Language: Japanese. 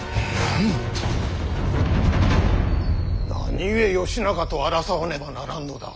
何故義仲と争わねばならんのだ。